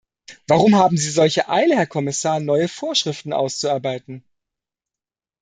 Warum haben Sie solche Eile, Herr Kommissar, neue Vorschriften auszuarbeiten?